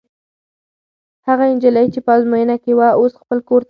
هغه نجلۍ چې په ازموینه کې وه، اوس خپل کور ته لاړه.